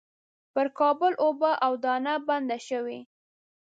پر کابل اوبه او دانه بنده شوې.